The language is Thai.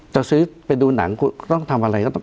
ต้องดูหนังก็ต้องลองทำอะไร